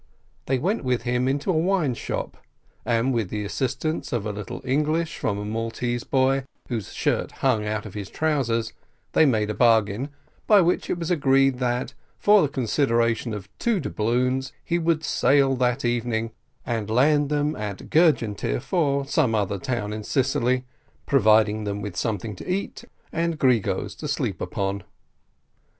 They went with him into a wine shop, and with the assistance of a little English from a Maltese boy, whose shirt hung out of his trousers, they made a bargain, by which it was agreed that, for the consideration of two doubloons, he would sail that evening and land them at Gergenti or some other town in Sicily, providing them with something to eat and gregos to sleep upon.